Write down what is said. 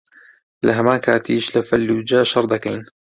لەهەمان کاتیش لە فەللوجە شەڕ دەکەین